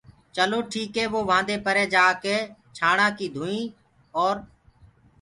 چلو ٺيٚڪي وو وهآنٚدي پري جآڪي ڇآڻآڪي ڌونئيٚ اور